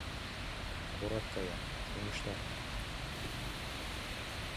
Корак кая, чоҥешта.